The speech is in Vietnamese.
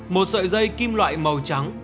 một sợi dây kim loại màu trắng